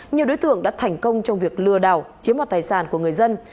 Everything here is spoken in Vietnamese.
nhiều đối tượng đã thành công trong việc lừa đảo chiếm hoạt tài sản của người dân